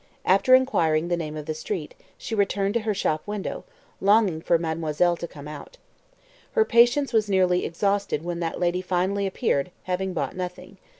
After inquiring the name of the street, she returned to her shop window, longing for mademoiselle to come out. Her patience was nearly exhausted when that lady finally appeared, having bought nothing.